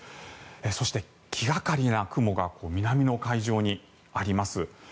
そして、気掛かりな雲が南の海上にあります。